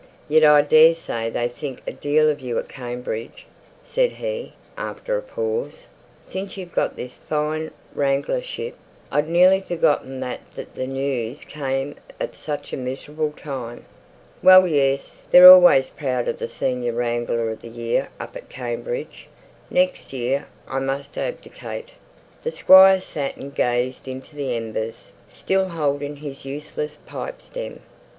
Yet, I daresay, they think a deal of you at Cambridge," said he, after a pause, "since you've got this fine wranglership; I'd nearly forgotten that the news came at such a miserable time." "Well, yes! They're always proud of the senior wrangler of the year up at Cambridge. Next year I must abdicate." The Squire sat and gazed into the embers, still holding his useless pipe stem.